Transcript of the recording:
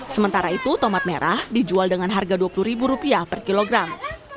sementara itu tomat merah dijual dengan harga rp dua puluh per kilogram